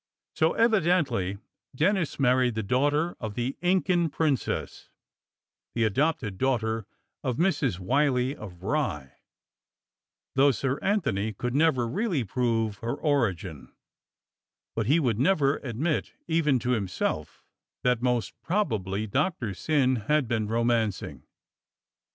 So eventually Denis married the daughter of the Incan princess, the adopted daughter of Mrs. Whyllie of Rye, though Sir Antony could never really prove her origin, but he would never admit even to himself that most probably Doctor Syn had been romancing.